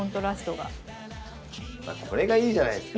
これがいいじゃないですか。